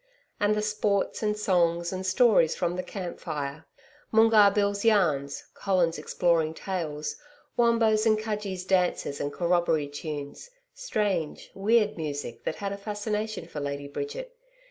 And the sports, and songs, and stories by the camp fire! Moongarr Bill's yarns, Colin's exploring tales, Wombo's and Cudgee's dances and corroboree tunes strange, weird music that had a fascination for Lady Bridget.